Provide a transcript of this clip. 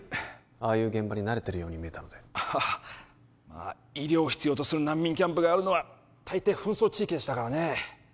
ああいう現場に慣れてるように見えたのでまあ医療を必要とする難民キャンプがあるのは大抵紛争地域でしたからね